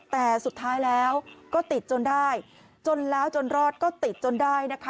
แต่สุดท้ายแล้วก็ติดจนได้จนแล้วจนรอดก็ติดจนได้นะคะ